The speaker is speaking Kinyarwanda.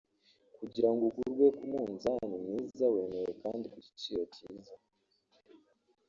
kugira ngo ugurwe ku munzani mwiza wemewe kandi ku giciro cyiza